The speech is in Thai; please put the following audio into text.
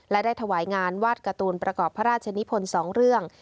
และได้ถวายงานวาดการ์ตูนประกอบพระราชนิพล๒เรื่อง